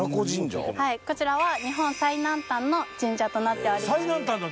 こちらは日本最南端の神社となっております。